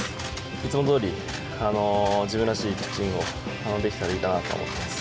いつもどおり、自分らしいピッチングをできたらいいなと思います。